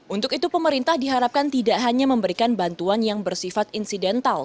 untuk itu pemerintah diharapkan tidak hanya memberikan bantuan yang bersifat insidental